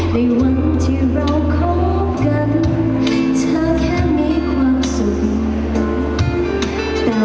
ในวันที่เราคบกันเธอแค่มีความสุข